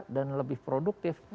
dan lebih produktif